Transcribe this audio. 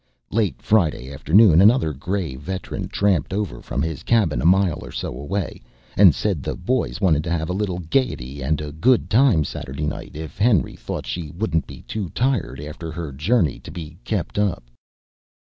Late Friday afternoon another gray veteran tramped over from his cabin a mile or so away, and said the boys wanted to have a little gaiety and a good time Saturday night, if Henry thought she wouldn't be too tired after her journey to be kept up.